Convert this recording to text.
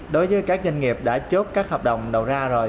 đối với các doanh nghiệp đã chốt các hợp đồng đầu ra rồi